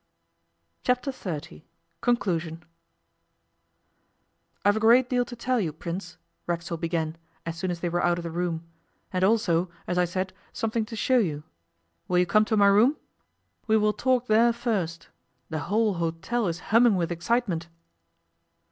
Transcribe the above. Chapter Thirty CONCLUSION 'I'VE a great deal to tell you, Prince,' Racksole began, as soon as they were out of the room, 'and also, as I said, something to show you. Will you come to my room? We will talk there first. The whole hotel is humming with excitement.